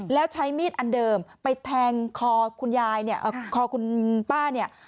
แล้วใช้มีดอันเดิมไปแทงคอคุณยายคอคุณป้า